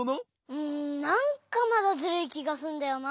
うんなんかまだズルいきがするんだよな。